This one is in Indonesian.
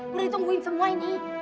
boleh tungguin semua ini